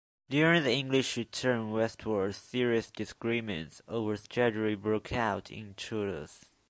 During the English return westward serious disagreements over strategy broke out in Toulouse.